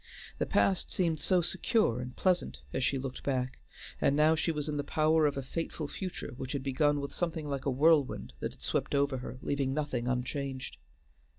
The past seemed so secure and pleasant, as she looked back, and now she was in the power of a fateful future which had begun with something like a whirlwind that had swept over her, leaving nothing unchanged.